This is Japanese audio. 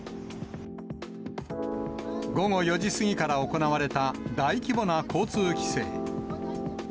午後４時過ぎから行われた大規模な交通規制。